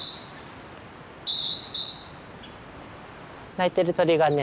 鳴いてる鳥がね